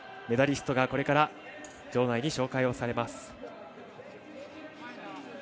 メダリストがこれから場内に紹介をされます。